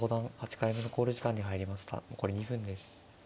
残り２分です。